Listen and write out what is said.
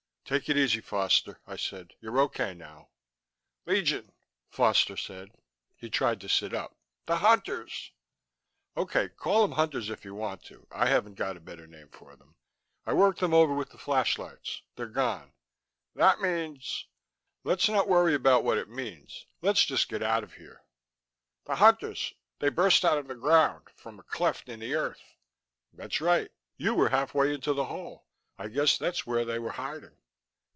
"Take it easy, Foster," I said. "You're OK now." "Legion," Foster said. He tried to sit up. "The Hunters...." "OK, call 'em Hunters if you want to. I haven't got a better name for them. I worked them over with the flashlights. They're gone." "That means...." "Let's not worry about what it means. Let's just get out of here." "The Hunters they burst out of the ground from a cleft in the earth." "That's right. You were halfway into the hole. I guess that's where they were hiding."